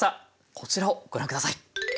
こちらをご覧下さい。